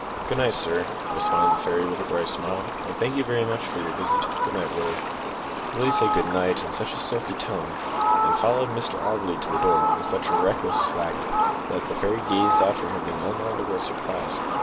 "Good night, sir!" responded the fairy, with a bright smile, "and thank you very much for your visit. Good night, Willie." Willie said good night in such a sulky tone, and followed Mr Auberly to the door with such a reckless swagger, that the fairy gazed after him in unutterable surprise.